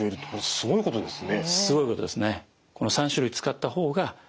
すごいことですね。